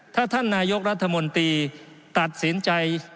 ถ้าท่านนายกรัฐมนตรีตัดสินใจ